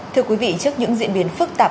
thưa quý vị trước những diễn biến phức tạp